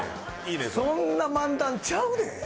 そんな漫談ちゃうで。